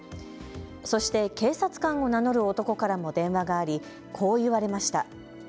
そして警察官を名乗る男からも電話があり、こう言われました。